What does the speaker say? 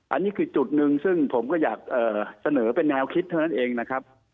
อันนี้คือจุดหนึ่งซึ่งผมก็อยากเสนอเป็นแนวคิดเท่านั้นเองนะครับ